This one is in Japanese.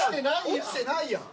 落ちてないやん。